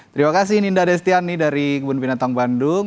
terima kasih ninda destiani dari kebun binatang bandung